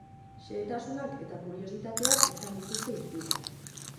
Xehetasunak eta kuriositateak izan dituzte hizpide.